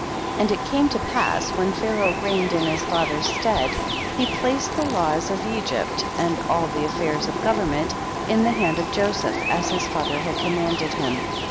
5. And it came to pass when Pha raoh reigned in his father's stead, he placed the laws of Egypt and all the affairs of government in the hand of Joseph, as his father had commanded him.